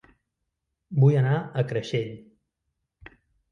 Vull anar a Creixell